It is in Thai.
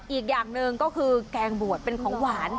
อีกอย่างหนึ่งก็คือแกงบวชเป็นของหวาน